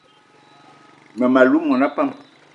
Mmem- alou mona pam